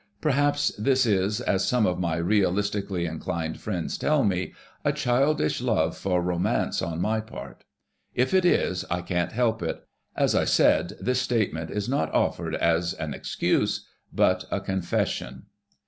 Perhaps this is, as some of my realistically inclined friends tell me, a childish love for romance on my part. If it is, I can't help it; as I said, this statement is not offered as an excuse, but a confession.